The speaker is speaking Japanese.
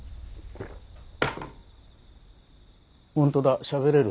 本当だしゃべれる。